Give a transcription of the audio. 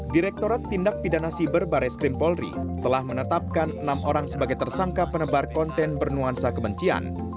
direktorat tindak pidana siber barres krim polri telah menetapkan enam orang sebagai tersangka penebar konten bernuansa kebencian